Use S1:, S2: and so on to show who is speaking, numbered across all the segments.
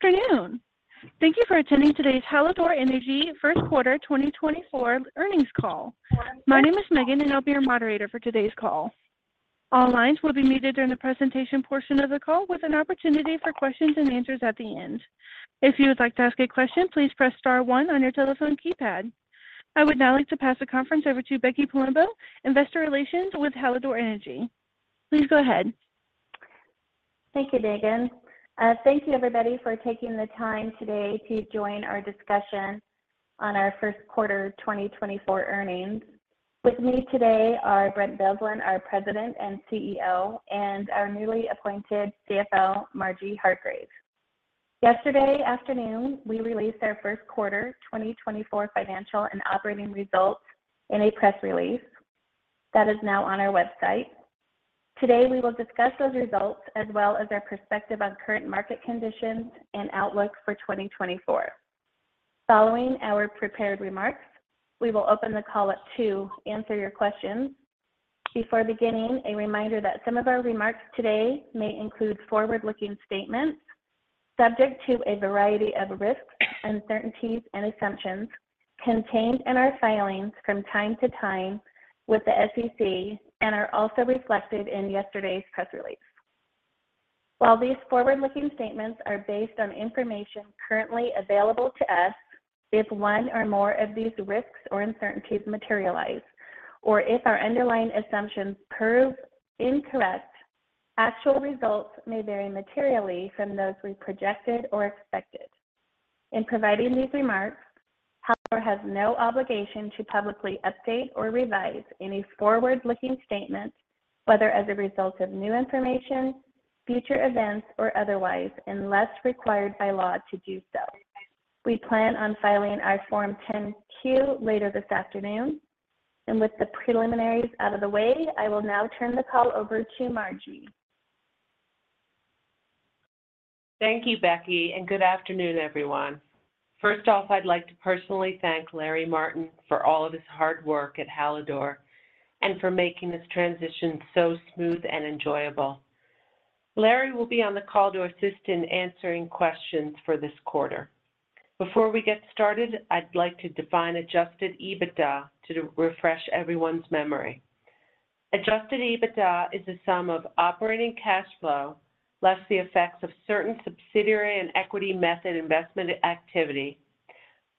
S1: Good afternoon. Thank you for attending today's Hallador Energy first quarter 2024 earnings call. My name is Megan, and I'll be your moderator for today's call. All lines will be muted during the presentation portion of the call, with an opportunity for questions and answers at the end. If you would like to ask a question, please press star one on your telephone keypad. I would now like to pass the conference over to Becky Palumbo, Investor Relations with Hallador Energy. Please go ahead.
S2: Thank you, Megan. Thank you, everybody, for taking the time today to join our discussion on our first quarter 2024 earnings. With me today are Brent Bilsland, our President and CEO, and our newly appointed CFO, Marjorie Hargrave. Yesterday afternoon, we released our first quarter 2024 financial and operating results in a press release that is now on our website. Today, we will discuss those results, as well as our perspective on current market conditions and outlook for 2024. Following our prepared remarks, we will open the call up to answer your questions. Before beginning, a reminder that some of our remarks today may include forward-looking statements, subject to a variety of risks, uncertainties, and assumptions contained in our filings from time to time with the SEC, and are also reflected in yesterday's press release. While these forward-looking statements are based on information currently available to us, if one or more of these risks or uncertainties materialize, or if our underlying assumptions prove incorrect, actual results may vary materially from those we projected or expected. In providing these remarks, Hallador has no obligation to publicly update or revise any forward-looking statements, whether as a result of new information, future events, or otherwise, unless required by law to do so. We plan on filing our Form 10-Q later this afternoon. With the preliminaries out of the way, I will now turn the call over to Marjorie.
S3: Thank you, Becky, and good afternoon, everyone. First off, I'd like to personally thank Larry Martin for all of his hard work at Hallador and for making this transition so smooth and enjoyable. Larry will be on the call to assist in answering questions for this quarter. Before we get started, I'd like to define Adjusted EBITDA to refresh everyone's memory. Adjusted EBITDA is the sum of operating cash flow, less the effects of certain subsidiary and equity method investment activity,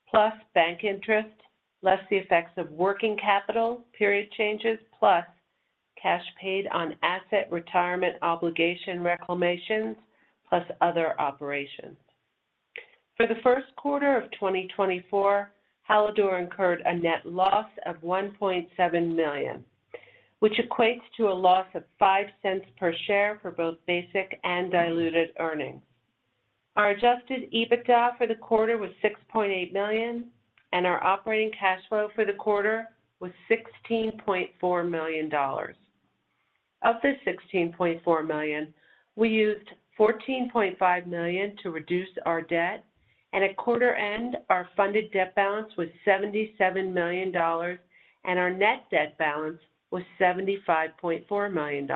S3: plus bank interest, less the effects of working capital, period changes, plus cash paid on asset retirement obligation reclamations, plus other operations. For the first quarter of 2024, Hallador incurred a net loss of $1.7 million, which equates to a loss of $0.05 per share for both basic and diluted earnings. Our Adjusted EBITDA for the quarter was $6.8 million, and our operating cash flow for the quarter was $16.4 million. Of this $16.4 million, we used $14.5 million to reduce our debt, and at quarter end, our funded debt balance was $77 million, and our net debt balance was $75.4 million.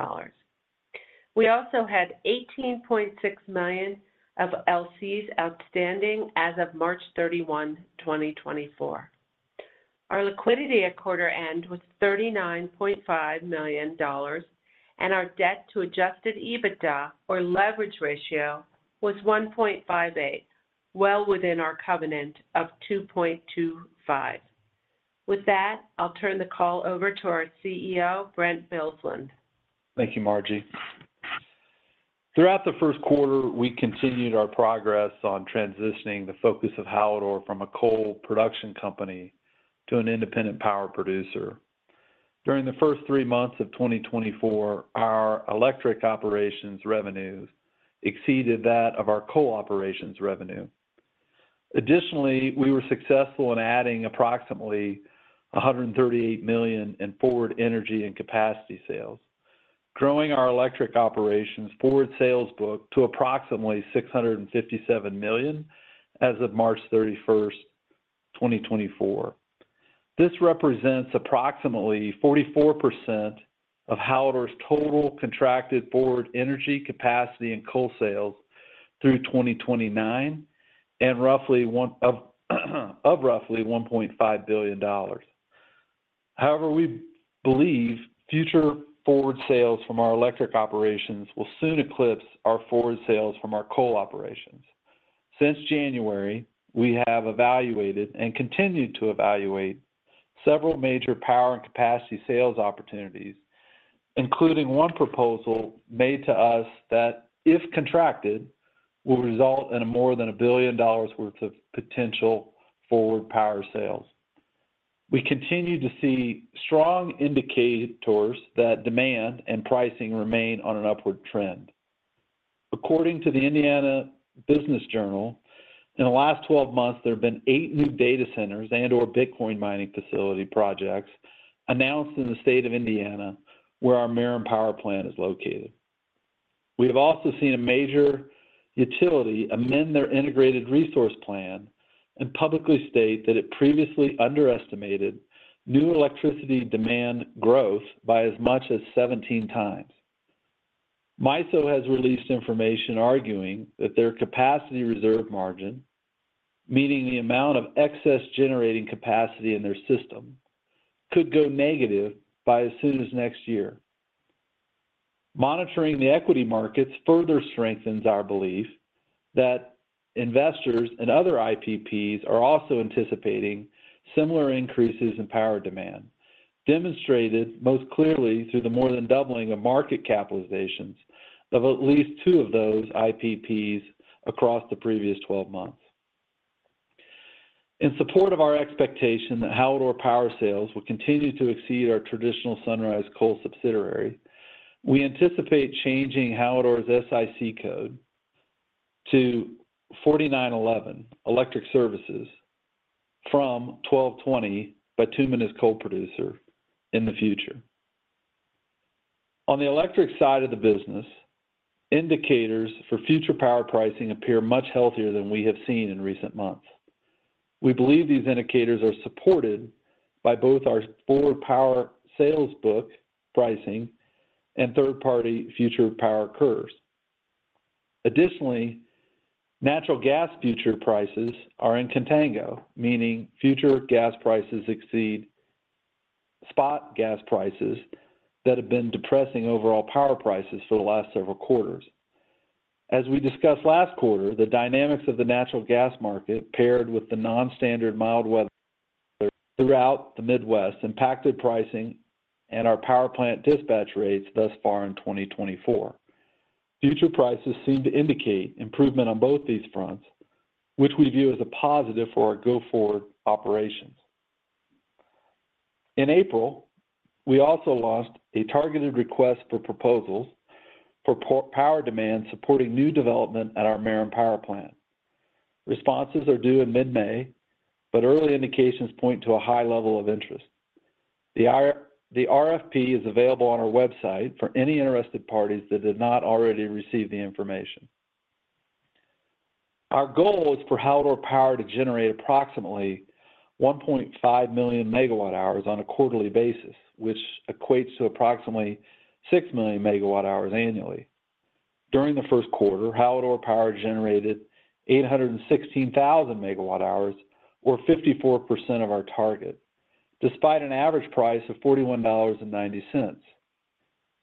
S3: We also had $18.6 million of LCs outstanding as of March 31, 2024. Our liquidity at quarter end was $39.5 million, and our debt to Adjusted EBITDA or leverage ratio was 1.58, well within our covenant of 2.25. With that, I'll turn the call over to our CEO, Brent Bilsland.
S4: Thank you, Marjorie. Throughout the first quarter, we continued our progress on transitioning the focus of Hallador from a coal production company to an independent power producer. During the first three months of 2024, our electric operations revenues exceeded that of our coal operations revenue. Additionally, we were successful in adding approximately $138 million in forward energy and capacity sales, growing our electric operations' forward sales book to approximately $657 million as of March 31, 2024. This represents approximately 44% of Hallador's total contracted forward energy capacity and coal sales through 2029 and roughly $1.5 billion. However, we believe future forward sales from our electric operations will soon eclipse our forward sales from our coal operations. Since January, we have evaluated and continued to evaluate several major power and capacity sales opportunities, including one proposal made to us that, if contracted, will result in more than $1 billion worth of potential forward power sales. We continue to see strong indicators that demand and pricing remain on an upward trend. According to the Indiana Business Journal, in the last 12 months, there have been 8 new data centers and/or Bitcoin mining facility projects announced in the state of Indiana, where our Merom Power Plant is located. We have also seen a major utility amend their Integrated Resource Plan and publicly state that it previously underestimated new electricity demand growth by as much as 17x. MISO has released information arguing that their capacity reserve margin, meaning the amount of excess generating capacity in their system, could go negative by as soon as next year. Monitoring the equity markets further strengthens our belief that investors and other IPPs are also anticipating similar increases in power demand, demonstrated most clearly through the more than doubling of market capitalizations of at least 2 of those IPPs across the previous 12 months. In support of our expectation that Hallador Power sales will continue to exceed our traditional Sunrise Coal subsidiary, we anticipate changing Hallador's SIC code to 4911, Electric Services, from 1220, bituminous coal producer in the future. On the electric side of the business, indicators for future power pricing appear much healthier than we have seen in recent months. We believe these indicators are supported by both our forward power sales book pricing and third-party future power curves. Additionally, natural gas future prices are in contango, meaning future gas prices exceed spot gas prices that have been depressing overall power prices for the last several quarters. As we discussed last quarter, the dynamics of the natural gas market, paired with the non-standard mild weather throughout the Midwest, impacted pricing and our power plant dispatch rates thus far in 2024. Future prices seem to indicate improvement on both these fronts, which we view as a positive for our go-forward operations. In April, we also launched a targeted request for proposals for power demand supporting new development at our Merom Power Plant. Responses are due in mid-May, but early indications point to a high level of interest. The RFP is available on our website for any interested parties that did not already received the information. Our goal is for Hallador Power to generate approximately 1.5 million MWh on a quarterly basis, which equates to approximately 6 million megawatt hours annually. During the first quarter, Hallador Power generated 816,000 MWh, or 54% of our target, despite an average price of $41.90.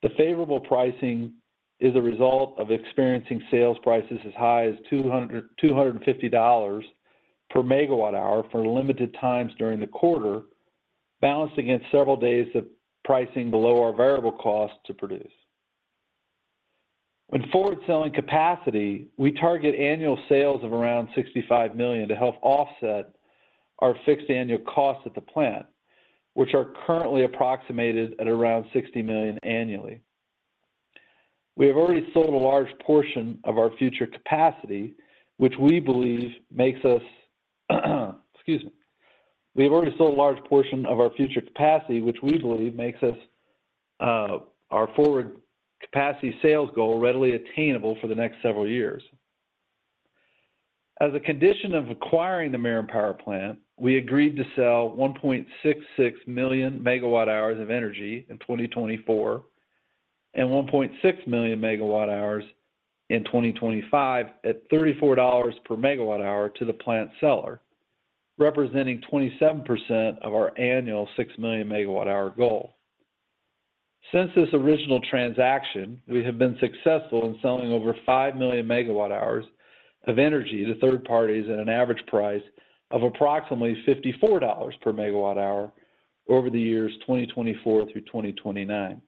S4: The favorable pricing is a result of experiencing sales prices as high as $200-$250 per megawatt hour for limited times during the quarter, balanced against several days of pricing below our variable cost to produce. When forward selling capacity, we target annual sales of around $65 million to help offset our fixed annual costs at the plant, which are currently approximated at around $60 million annually. We have already sold a large portion of our future capacity, which we believe makes us, excuse me. We have already sold a large portion of our future capacity, which we believe makes us our forward capacity sales goal readily attainable for the next several years. As a condition of acquiring the Merom Power Plant, we agreed to sell 1.66 million MWh of energy in 2024 and 1.6 million MWh in 2025 at $34 per MWh to the plant seller, representing 27% of our annual 6 million MWh goal. Since this original transaction, we have been successful in selling over 5 million MWh of energy to third parties at an average price of approximately $54 per MWh over the years 2024 through 2029.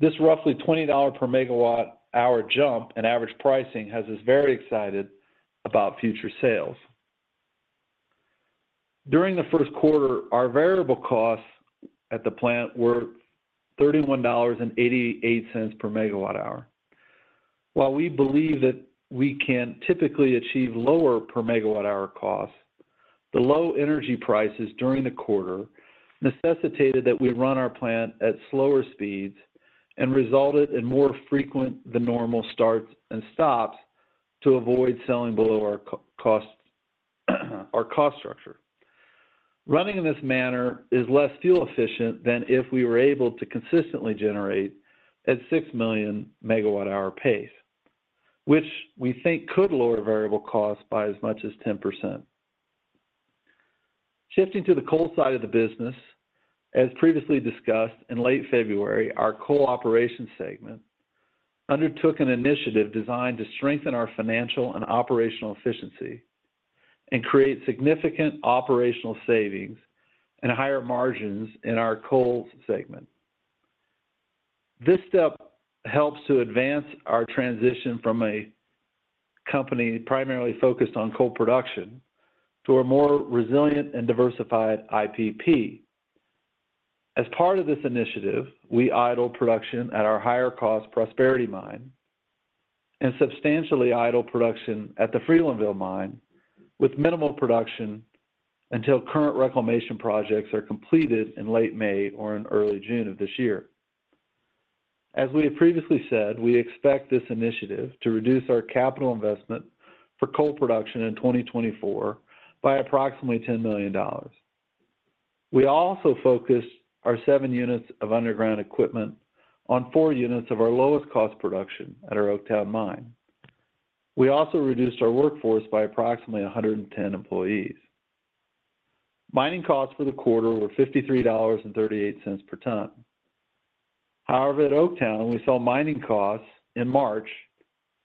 S4: This roughly $20/MWh jump in average pricing has us very excited about future sales. During the first quarter, our variable costs at the plant were $31.88/MWh. While we believe that we can typically achieve lower per megawatt hour costs, the low energy prices during the quarter necessitated that we run our plant at slower speeds and resulted in more frequent than normal starts and stops to avoid selling below our cost, our cost structure. Running in this manner is less fuel efficient than if we were able to consistently generate at 6 million MWh pace, which we think could lower variable costs by as much as 10%. Shifting to the coal side of the business, as previously discussed, in late February, our coal operations segment undertook an initiative designed to strengthen our financial and operational efficiency and create significant operational savings and higher margins in our coal segment. This step helps to advance our transition from a company primarily focused on coal production to a more resilient and diversified IPP. As part of this initiative, we idle production at our higher cost Prosperity Mine and substantially idle production at the Freelandville Mine, with minimal production until current reclamation projects are completed in late May or in early June of this year. As we have previously said, we expect this initiative to reduce our capital investment for coal production in 2024 by approximately $10 million. We also focused our 7 units of underground equipment on 4 units of our lowest cost production at our Oaktown Mine. We also reduced our workforce by approximately 110 employees. Mining costs for the quarter were $53.38 per ton. However, at Oaktown, we saw mining costs in March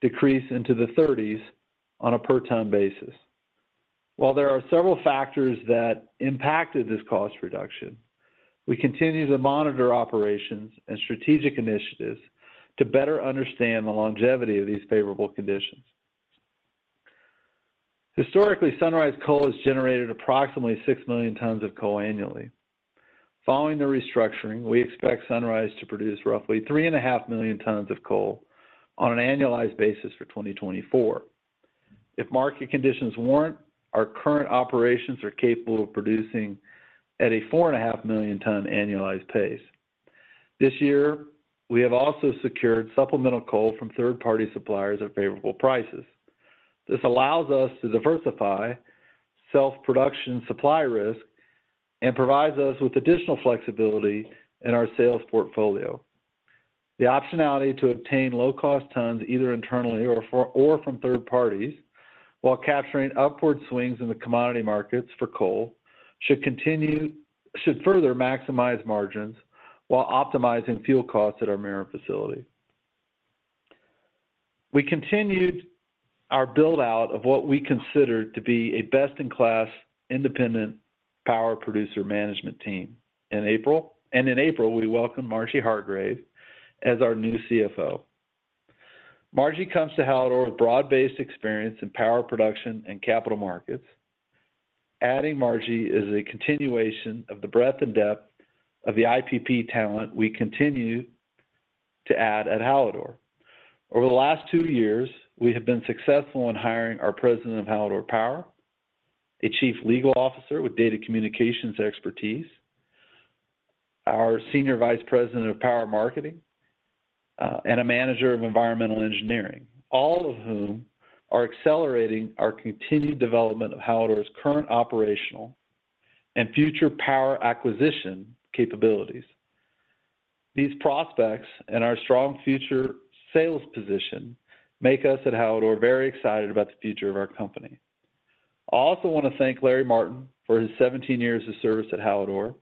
S4: decrease into the $30s on a per ton basis. While there are several factors that impacted this cost reduction, we continue to monitor operations and strategic initiatives to better understand the longevity of these favorable conditions. Historically, Sunrise Coal has generated approximately 6 million tons of coal annually. Following the restructuring, we expect Sunrise to produce roughly 3.5 million tons of coal on an annualized basis for 2024. If market conditions warrant, our current operations are capable of producing at a 4.5 million ton annualized pace. This year, we have also secured supplemental coal from third-party suppliers at favorable prices. This allows us to diversify self-production supply risk and provides us with additional flexibility in our sales portfolio. The optionality to obtain low-cost tons, either internally or from third parties, while capturing upward swings in the commodity markets for coal, should continue to further maximize margins while optimizing fuel costs at our Merom facility. We continued our build-out of what we consider to be a best-in-class independent power producer management team. In April, we welcomed Marjorie Hargrave as our new CFO. Marjorie comes to Hallador with broad-based experience in power production and capital markets. Adding Marjorie is a continuation of the breadth and depth of the IPP talent we continue to add at Hallador. Over the last two years, we have been successful in hiring our president of Hallador Power, a Chief Legal Officer with data communications expertise, our Senior Vice President of Power Marketing, and a Manager of Environmental Engineering, all of whom are accelerating our continued development of Hallador's current operational and future power acquisition capabilities. These prospects and our strong future sales position make us at Hallador very excited about the future of our company. I also want to thank Larry Martin for his 17 years of service at Hallador.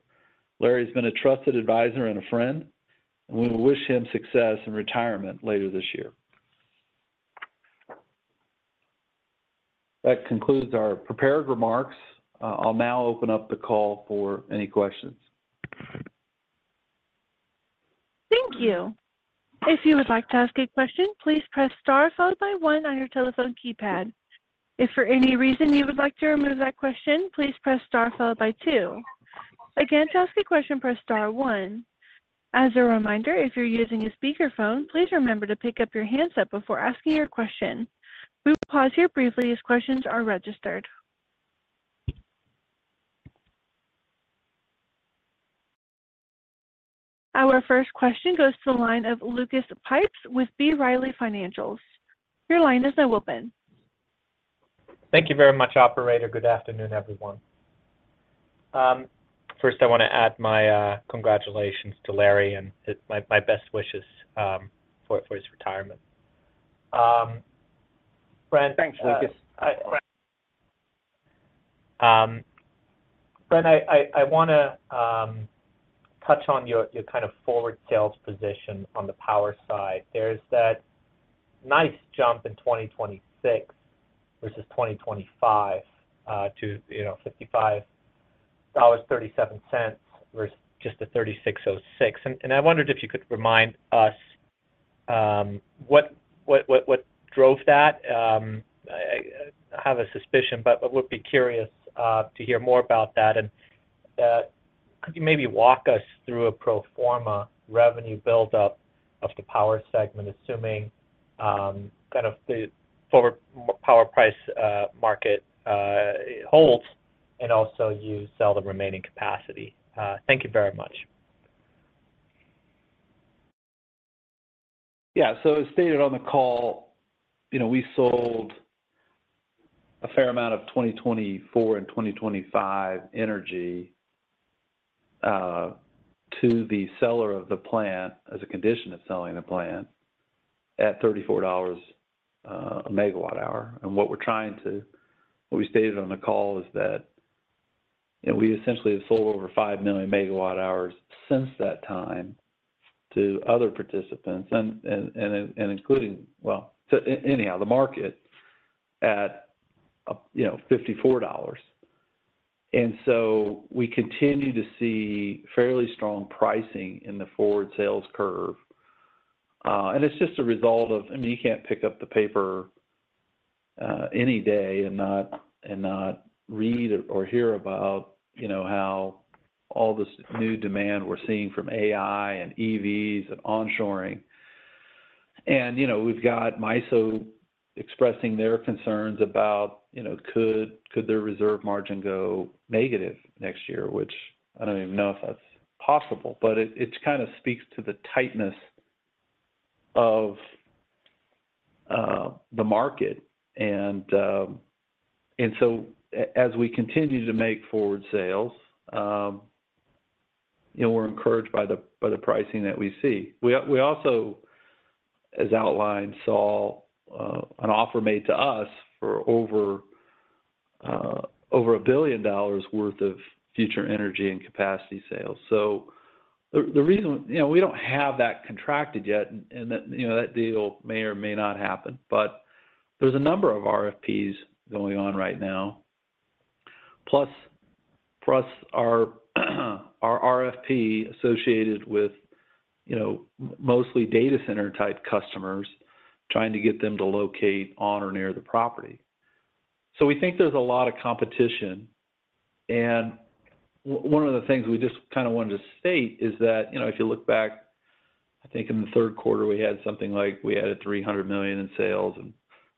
S4: Larry has been a trusted advisor and a friend, and we wish him success in retirement later this year. That concludes our prepared remarks. I'll now open up the call for any questions.
S1: Thank you. If you would like to ask a question, please press star followed by one on your telephone keypad. If, for any reason, you would like to remove that question, please press star followed by two. Again, to ask a question, press Star one. As a reminder, if you're using a speakerphone, please remember to pick up your handset before asking your question. We will pause here briefly as questions are registered. Our first question goes to the line of Lucas Pipes with B. Riley Securities. Your line is now open.
S5: Thank you very much, operator. Good afternoon, everyone. First, I want to add my congratulations to Larry and my best wishes for his retirement. Brent-
S4: Thanks, Lucas.
S5: Brent, I wanna touch on your kind of forward sales position on the power side. There's that nice jump in 2026, versus 2025, to, you know, $55.37, versus just the $36.06. And I wondered if you could remind us what drove that? I have a suspicion, but would be curious to hear more about that. And could you maybe walk us through a pro forma revenue buildup of the power segment, assuming kind of the forward power price market holds, and also you sell the remaining capacity? Thank you very much.
S4: Yeah. So as stated on the call, you know, we sold a fair amount of 2024 and 2025 energy to the seller of the plant as a condition of selling the plant at $34 a megawatt hour. And what we're trying to, what we stated on the call is that, you know, we essentially have sold over 5 million MWh since that time to other participants and including. Well, anyhow, the market is at $54. And so we continue to see fairly strong pricing in the forward sales curve. And it's just a result of, I mean, you can't pick up the paper any day and not read or hear about, you know, how all this new demand we're seeing from AI and EVs and onshoring-... You know, we've got MISO expressing their concerns about, you know, could their reserve margin go negative next year? Which I don't even know if that's possible, but it kind of speaks to the tightness of the market. And so as we continue to make forward sales, you know, we're encouraged by the pricing that we see. We also, as outlined, saw an offer made to us for over $1 billion worth of future energy and capacity sales. So the reason—you know, we don't have that contracted yet, and that deal may or may not happen, but there's a number of RFPs going on right now. Plus our RFP associated with, you know, mostly data center-type customers, trying to get them to locate on or near the property. So we think there's a lot of competition, and one of the things we just kind of wanted to state is that, you know, if you look back, I think in the third quarter, we had something like $300 million in sales, and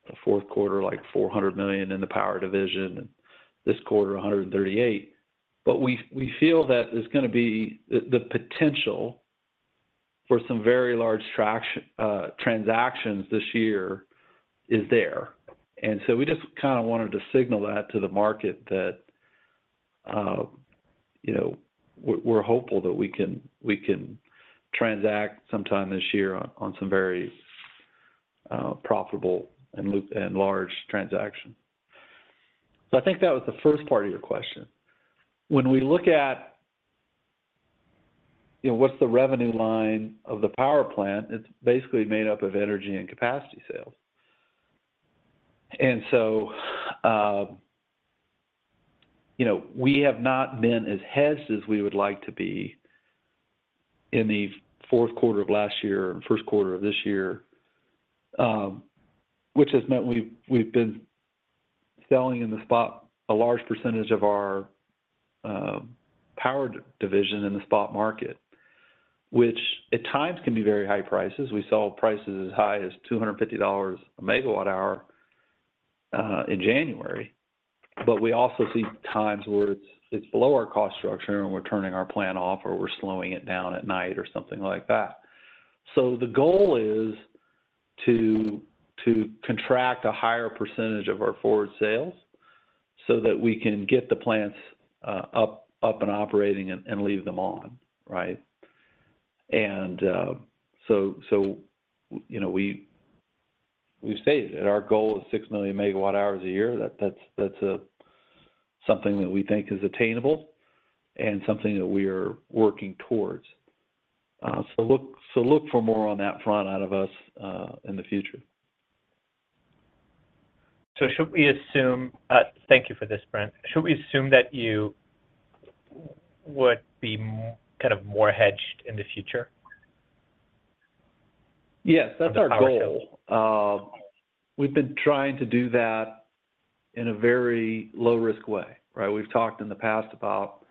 S4: the fourth quarter, like $400 million in the power division, and this quarter, $138 million. But we feel that there's gonna be the potential for some very large transactions this year is there. And so we just kind of wanted to signal that to the market, that, you know, we're hopeful that we can transact sometime this year on some very profitable and large transactions. So I think that was the first part of your question. When we look at, you know, what's the revenue line of the power plant, it's basically made up of energy and capacity sales. And so, you know, we have not been as hedged as we would like to be in the fourth quarter of last year and first quarter of this year, which has meant we've been selling in the spot a large percentage of our power division in the spot market, which at times can be very high prices. We saw prices as high as $250/MWh in January, but we also see times where it's below our cost structure, and we're turning our plant off, or we're slowing it down at night or something like that. So the goal is to contract a higher percentage of our forward sales so that we can get the plants up and operating and leave them on, right? And, so, you know, we've stated that our goal is 6 million MWh a year. That's something that we think is attainable and something that we are working towards. So look for more on that front out of us in the future.
S5: So should we assume. Thank you for this, Brent. Should we assume that you would be kind of more hedged in the future?
S4: Yes, that's our goal.
S5: For the power plant.
S4: We've been trying to do that in a very low-risk way, right? We've talked in the past about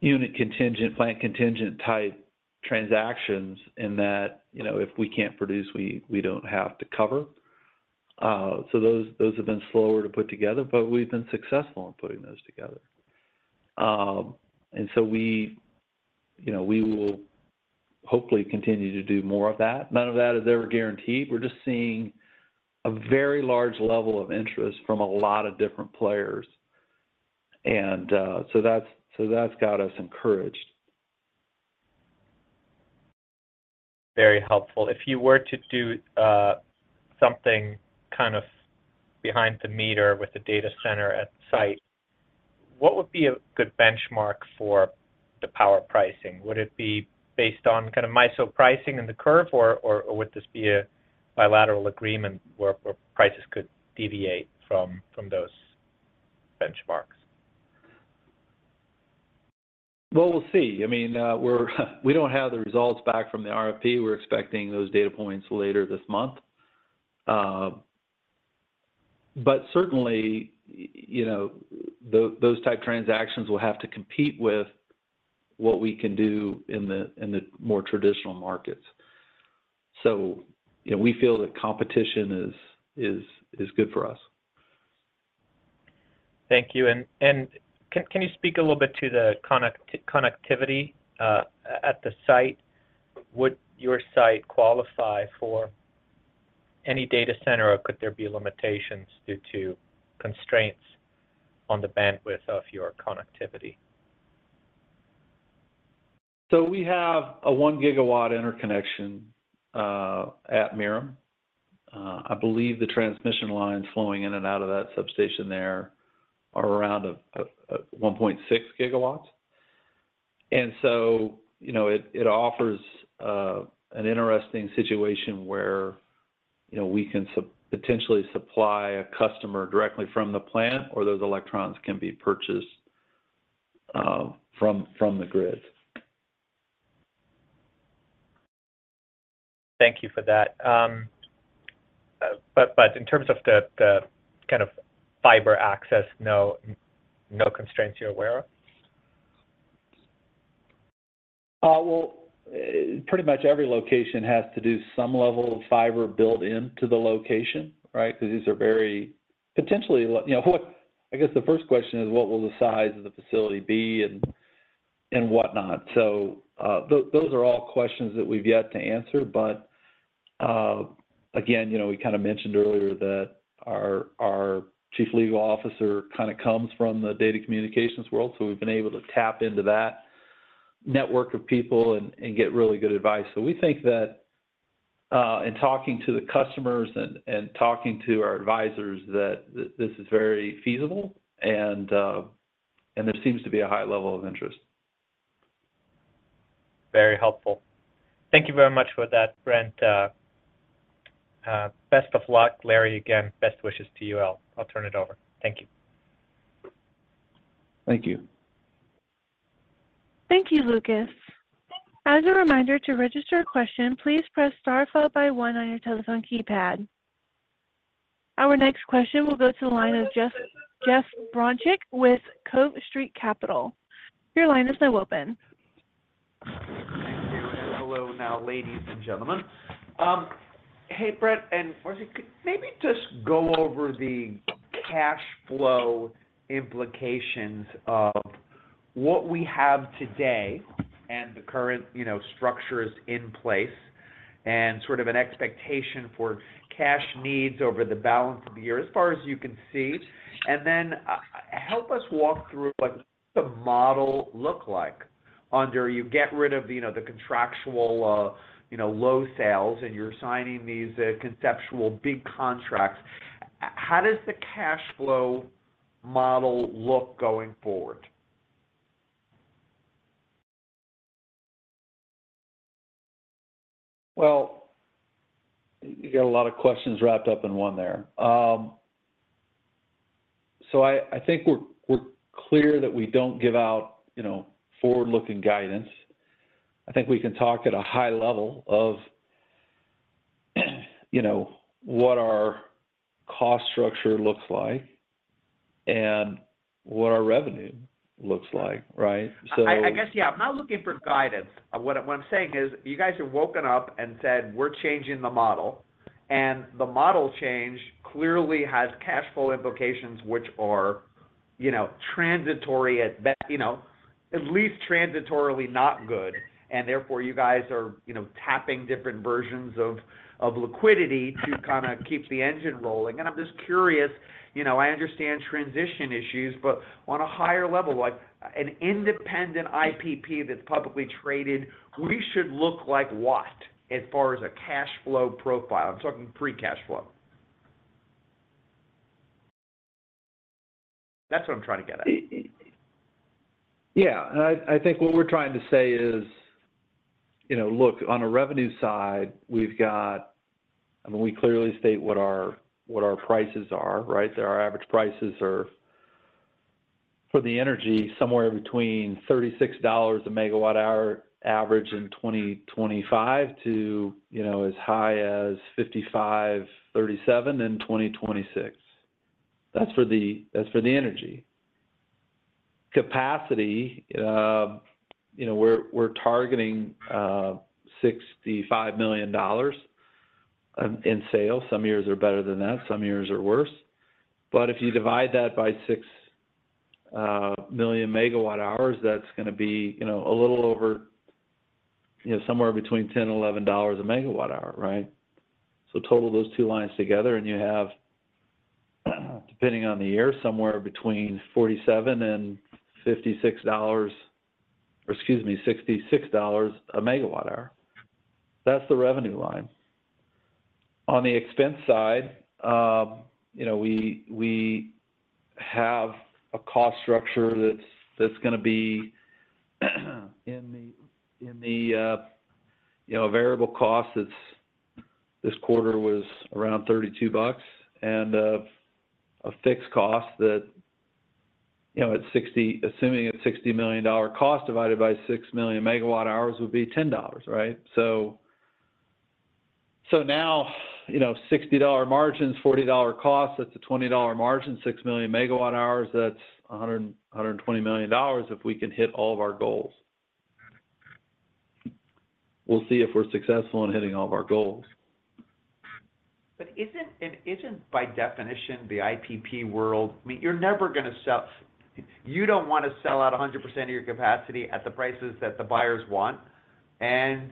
S4: unit contingent, plant contingent-type transactions, in that, you know, if we can't produce, we don't have to cover. So those, those have been slower to put together, but we've been successful in putting those together. And so we, you know, we will hopefully continue to do more of that. None of that is ever guaranteed. We're just seeing a very large level of interest from a lot of different players. And, so that's, so that's got us encouraged.
S5: Very helpful. If you were to do something kind of behind the meter with the data center at the site, what would be a good benchmark for the power pricing? Would it be based on kind of MISO pricing in the curve, or would this be a bilateral agreement where prices could deviate from those benchmarks?
S4: Well, we'll see. I mean, we're, we don't have the results back from the RFP. We're expecting those data points later this month. But certainly, you know, those type transactions will have to compete with what we can do in the, in the more traditional markets. So, you know, we feel that competition is good for us.
S5: Thank you. And can you speak a little bit to the connectivity at the site? Would your site qualify for any data center, or could there be limitations due to constraints on the bandwidth of your connectivity?
S4: So we have a 1 GW interconnection at Merom. I believe the transmission lines flowing in and out of that substation there are around 1.6 GW. And so, you know, it offers an interesting situation where, you know, we can potentially supply a customer directly from the plant, or those electrons can be purchased from the grid.
S5: Thank you for that. But in terms of the kind of fiber access, no constraints you're aware of?
S4: Well, pretty much every location has to do some level of fiber built into the location, right? Because these are very potentially, like, you know, what, I guess the first question is, what will the size of the facility be, and whatnot. So, those are all questions that we've yet to answer, but, again, you know, we kind of mentioned earlier that our Chief Legal Officer kind of comes from the data communications world, so we've been able to tap into that network of people and get really good advice. So we think that, in talking to the customers and talking to our advisors, that this is very feasible, and there seems to be a high level of interest.
S5: Very helpful. Thank you very much for that, Brent. Best of luck, Larry. Again, best wishes to you all. I'll turn it over. Thank you.
S4: Thank you.
S1: Thank you, Lucas. As a reminder, to register a question, please press star followed by one on your telephone keypad. Our next question will go to the line of Jeff Bronchick with Cove Street Capital. Your line is now open.
S6: Thank you, and hello now, ladies and gentlemen. Hey, Brent, and maybe just go over the cash flow implications of what we have today and the current, you know, structures in place, and sort of an expectation for cash needs over the balance of the year, as far as you can see. And then, help us walk through what the model look like under you get rid of, you know, the contractual, you know, low sales, and you're signing these, conceptual big contracts. How does the cash flow model look going forward?
S4: Well, you got a lot of questions wrapped up in one there. So I think we're clear that we don't give out, you know, forward-looking guidance. I think we can talk at a high level of, you know, what our cost structure looks like and what our revenue looks like, right? So-
S6: I guess, yeah, I'm not looking for guidance. What I'm saying is, you guys have woken up and said: "We're changing the model," and the model change clearly has cash flow implications, which are, you know, transitory at best—you know, at least transitorily not good. And therefore, you guys are, you know, tapping different versions of liquidity to kinda keep the engine rolling. And I'm just curious, you know, I understand transition issues, but on a higher level, like an independent IPP that's publicly traded, we should look like what as far as a cash flow profile? I'm talking pre-cash flow. That's what I'm trying to get at.
S4: Yeah, and I, I think what we're trying to say is, you know, look, on a revenue side, we've got. I mean, we clearly state what our, what our prices are, right? That our average prices are, for the energy, somewhere between $36/MWh average in 2025 to, you know, as high as $55.37/MWh in 2026. That's for the, that's for the energy. Capacity, you know, we're, we're targeting $65 million in sales. Some years are better than that, some years are worse. But if you divide that by 6 million MWh, that's gonna be, you know, a little over, you know, somewhere between $10 and $11/MWh, right? So total those two lines together, and you have, depending on the year, somewhere between $47 and $56, or excuse me, $66 MWh. That's the revenue line. On the expense side, you know, we have a cost structure that's gonna be, in the you know, variable cost, it's this quarter was around $32 bucks, and a fixed cost that, you know, it's $60, assuming it's $60 million dollar cost divided by 6 million MWh would be $10, right? So now, you know, $60 dollar margins, $40 dollar cost, that's a $20 dollar margin, 6 million MWh, that's $120 million if we can hit all of our goals. We'll see if we're successful in hitting all of our goals.
S6: But isn't it, isn't by definition, the IPP world—I mean, you're never gonna sell—you don't wanna sell out 100% of your capacity at the prices that the buyers want and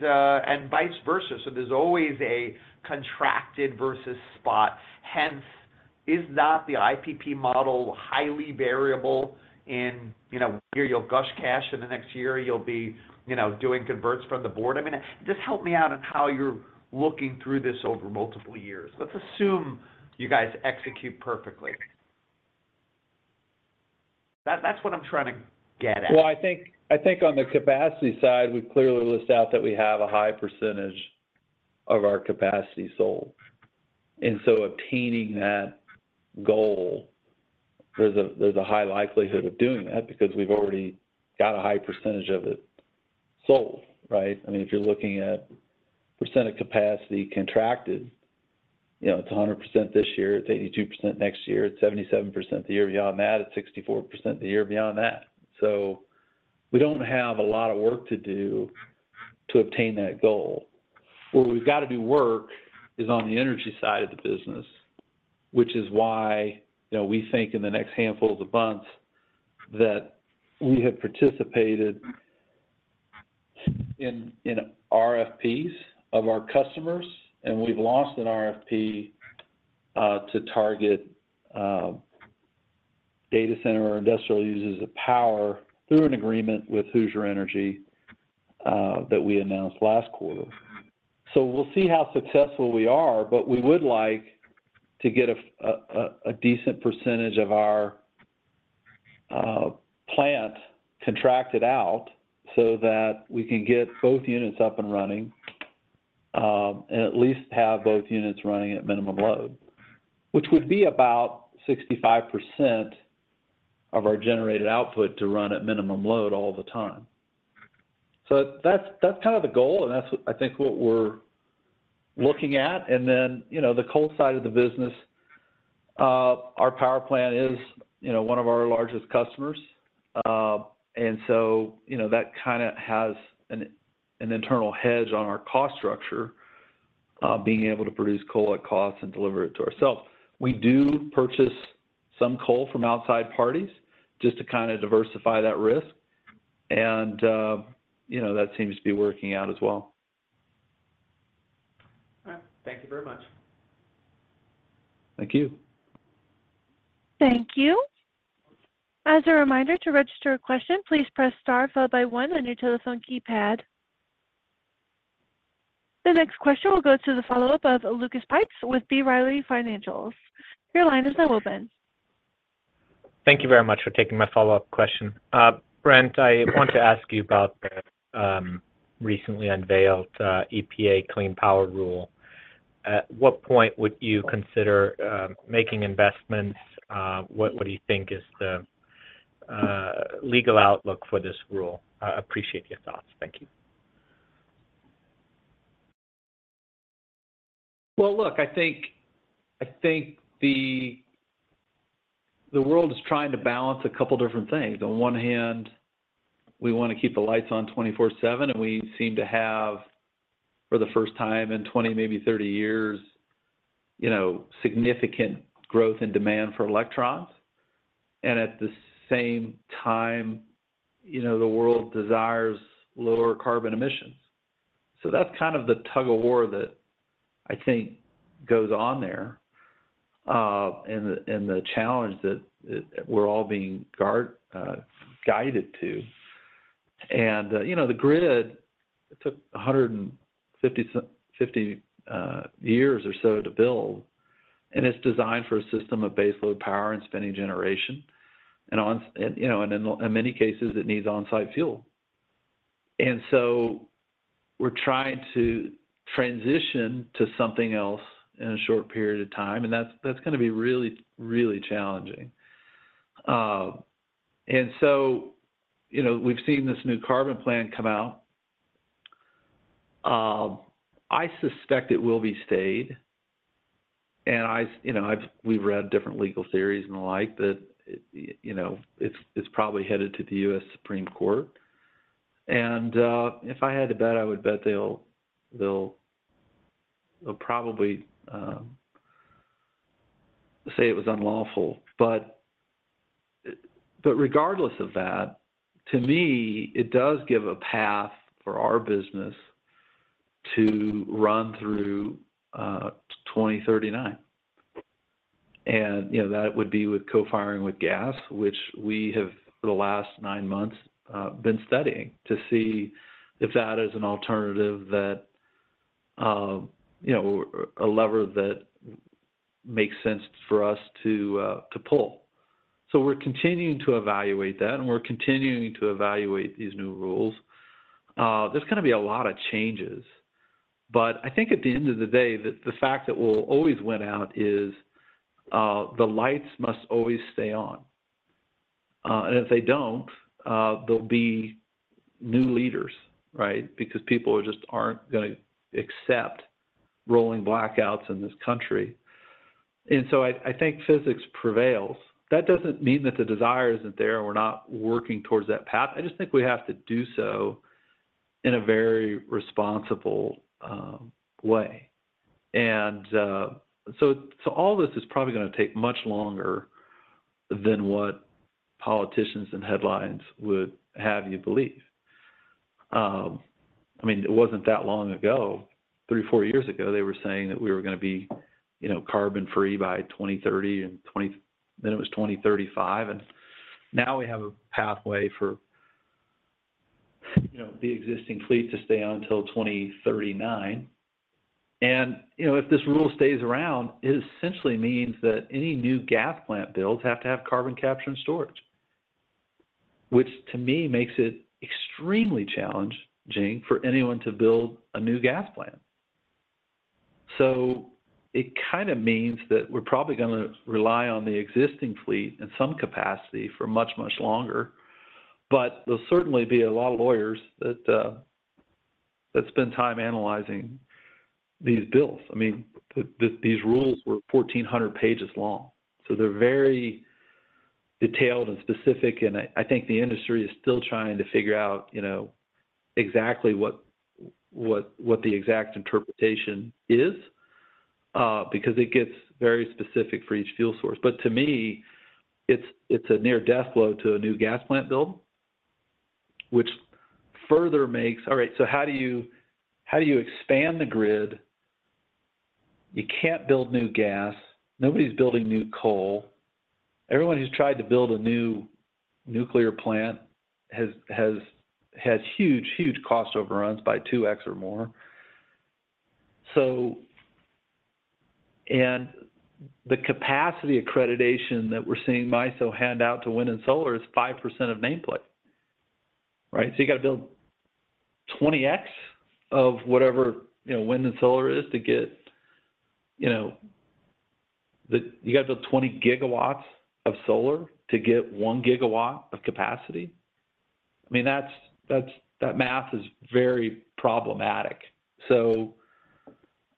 S6: vice versa. So there's always a contracted versus spot. Hence, is not the IPP model highly variable in, you know, the year you'll gush cash, in the next year you'll be, you know, doing converts from the board? I mean, just help me out on how you're looking through this over multiple years. Let's assume you guys execute perfectly. That, that's what I'm trying to get at.
S4: Well, I think, I think on the capacity side, we clearly list out that we have a high percentage of our capacity sold. And so, obtaining that goal, there's a high likelihood of doing that because we've already got a high percentage of it sold, right? I mean, if you're looking at percent of capacity contracted... You know, it's 100% this year, it's 82% next year, it's 77% the year beyond that, it's 64% the year beyond that. So we don't have a lot of work to do to obtain that goal. Where we've got to do work is on the energy side of the business, which is why, you know, we think in the next handful of months that we have participated in RFPs for our customers, and we've lost an RFP to target data center or industrial users of power through an agreement with Hoosier Energy that we announced last quarter. So we'll see how successful we are, but we would like to get a decent percentage of our plant contracted out so that we can get both units up and running, and at least have both units running at minimum load, which would be about 65% of our generated output to run at minimum load all the time. So that's, that's kind of the goal, and that's, I think, what we're looking at. And then, you know, the coal side of the business, our power plant is, you know, one of our largest customers. And so, you know, that kind of has an internal hedge on our cost structure, being able to produce coal at cost and deliver it to ourselves. We do purchase some coal from outside parties just to kind of diversify that risk, and, you know, that seems to be working out as well.
S6: All right. Thank you very much.
S4: Thank you.
S1: Thank you. As a reminder, to register a question, please press star followed by one on your telephone keypad. The next question will go to the follow-up of Lucas Pipes with B. Riley Securities. Your line is now open.
S5: Thank you very much for taking my follow-up question. Brent, I want to ask you about the recently unveiled EPA Clean Power Rule. At what point would you consider making investments? What do you think is the legal outlook for this rule? I appreciate your thoughts. Thank you.
S4: Well, look, I think the world is trying to balance a couple of different things. On one hand, we want to keep the lights on 24/7, and we seem to have, for the first time in 20, maybe 30 years, you know, significant growth in demand for electrons. And at the same time, you know, the world desires lower carbon emissions. So that's kind of the tug-of-war that I think goes on there, and the challenge that we're all being guided to. And, you know, the grid, it took 150 years or so to build, and it's designed for a system of base load power and spinning generation. And you know, in many cases, it needs on-site fuel. And so we're trying to transition to something else in a short period of time, and that's, that's gonna be really, really challenging. And so, you know, we've seen this new carbon plan come out. I suspect it will be stayed. And I, you know, I've—we've read different legal theories and the like, that, you know, it's, it's probably headed to the U.S. Supreme Court. And, if I had to bet, I would bet they'll probably say it was unlawful. But, regardless of that, to me, it does give a path for our business to run through 2039. You know, that would be with co-firing with gas, which we have, for the last nine months, been studying to see if that is an alternative that, you know, a lever that makes sense for us to, to pull. So we're continuing to evaluate that, and we're continuing to evaluate these new rules. There's gonna be a lot of changes, but I think at the end of the day, the fact that we'll always win out is that the lights must always stay on. And if they don't, there'll be new leaders, right? Because people just aren't gonna accept rolling blackouts in this country. And so I, I think physics prevails. That doesn't mean that the desire isn't there, and we're not working towards that path. I just think we have to do so in a very responsible way. So all this is probably gonna take much longer than what politicians and headlines would have you believe. I mean, it wasn't that long ago, three, four years ago, they were saying that we were gonna be, you know, carbon-free by 2030 and twenty... then it was 2035, and now we have a pathway for, you know, the existing fleet to stay on till 2039. And, you know, if this rule stays around, it essentially means that any new gas plant builds have to have carbon capture and storage, which to me, makes it extremely challenging for anyone to build a new gas plant. So it kind of means that we're probably gonna rely on the existing fleet in some capacity for much, much longer. But there'll certainly be a lot of lawyers that spend time analyzing these bills. I mean, these rules were 1,400 pages long, so they're very detailed and specific, and I, I think the industry is still trying to figure out, you know, exactly what, what, what the exact interpretation is, because it gets very specific for each fuel source. But to me, it's, it's a near-death blow to a new gas plant build, which further makes. All right, so how do you, how do you expand the grid? You can't build new gas. Nobody's building new coal. Everyone who's tried to build a new nuclear plant has, has, has huge, huge cost overruns by 2x or more. So, the capacity accreditation that we're seeing MISO hand out to wind and solar is 5% of nameplate, right? So you got to build 20x of whatever, you know, wind and solar is to get, you know... You've got to build 20 GW of solar to get 1 GW of capacity. I mean, that's, that math is very problematic. So,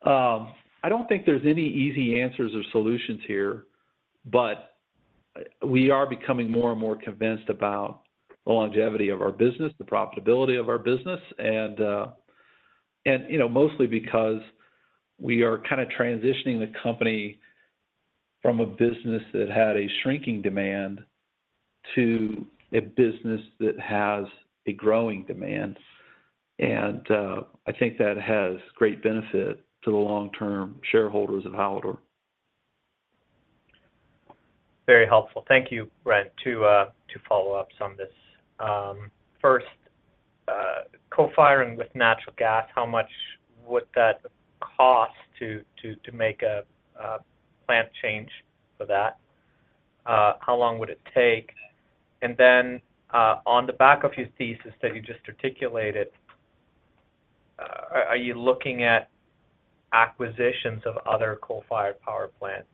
S4: I don't think there's any easy answers or solutions here, but we are becoming more and more convinced about the longevity of our business, the profitability of our business, and you know, mostly because we are kind of transitioning the company from a business that had a shrinking demand to a business that has a growing demand. And, I think that has a great benefit to the long-term shareholders of Hallador.
S5: Very helpful. Thank you, Brent. To follow up on this, first, co-firing with natural gas, how much would that cost to make a plant change for that? How long would it take? And then, on the back of your thesis that you just articulated, are you looking at acquisitions of other coal-fired power plants,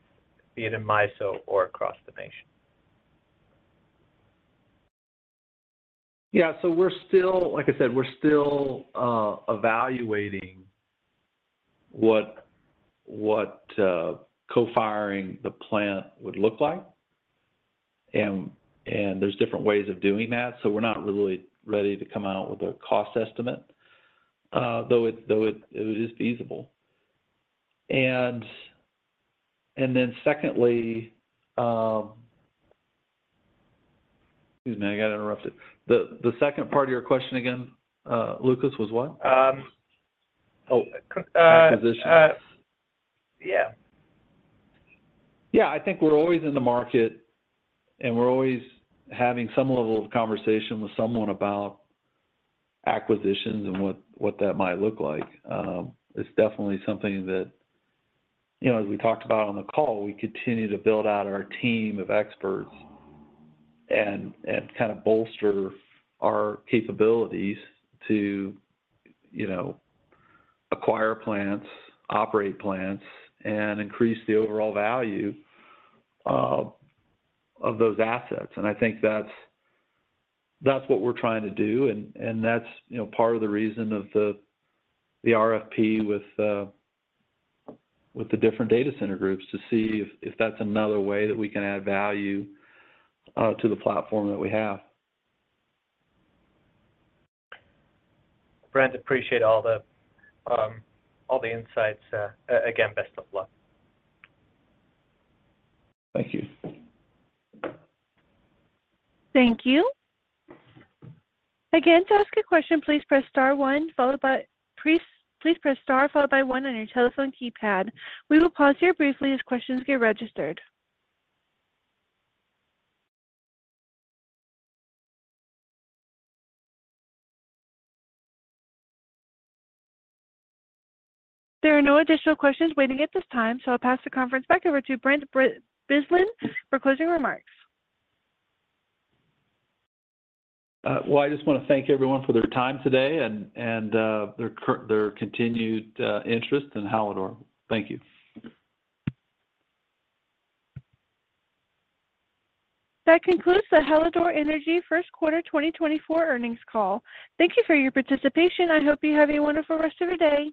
S5: be it in MISO or across the nation?
S4: Yeah, so we're still, like I said, we're still evaluating what co-firing the plant would look like. And there's different ways of doing that, so we're not really ready to come out with a cost estimate, though it is feasible. And then secondly, excuse me, I got interrupted. The second part of your question, again, Lucas, was what? Oh, acquisitions.
S5: Uh, yeah.
S4: Yeah, I think we're always in the market, and we're always having some level of conversation with someone about acquisitions and what that might look like. It's definitely something that, you know, as we talked about on the call, we continue to build out our team of experts and kind of bolster our capabilities to, you know, acquire plants, operate plants, and increase the overall value of those assets. And I think that's what we're trying to do, and that's, you know, part of the reason of the RFP with the different data center groups to see if that's another way that we can add value to the platform that we have.
S5: Brent, appreciate all the insights. Again, best of luck.
S4: Thank you.
S1: Thank you. Again, to ask a question, please press star one, followed by. Please, please press star, followed by one on your telephone keypad. We will pause here briefly as questions get registered. There are no additional questions waiting at this time, so I'll pass the conference back over to Brent Bilsland for closing remarks.
S4: Well, I just want to thank everyone for their time today and their continued interest in Hallador. Thank you.
S1: That concludes the Hallador Energy first quarter 2024 earnings call. Thank you for your participation. I hope you have a wonderful rest of your day.